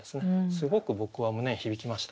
すごく僕は胸に響きました。